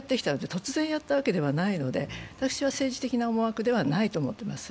突然やったわけではないので、私は政治的な思惑ではないと思っています。